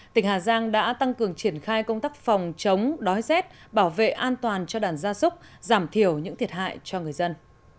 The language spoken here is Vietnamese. tỉnh hà giang đã tăng cường triển khai công tác phòng chống đói rét bảo vệ an toàn cho đàn gia súc giảm thiểu những thiệt hại cho người dân